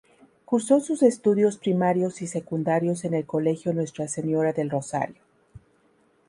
Cursó sus estudios primarios y secundarios en el colegio Nuestra Señora del Rosario.